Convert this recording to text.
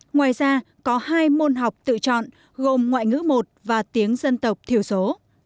ngoài ra có hai môn học tự chọn gồm ngoại ngữ một và tiếng dân tộc thiểu số